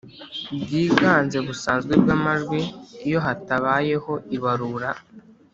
Bwiganze busanzwe bw amajwi iyo hatabayeho ibarura